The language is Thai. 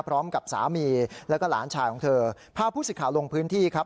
พร้อมกับสามีแล้วก็หลานชายของเธอพาผู้สิทธิ์ข่าวลงพื้นที่ครับ